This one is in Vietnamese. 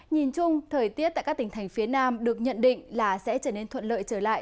nhìn chung thời tiết tại các tỉnh thành phía nam được nhận định là sẽ trở nên thuận lợi trở lại